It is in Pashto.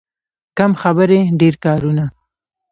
کم خبرې، ډېر کارونه.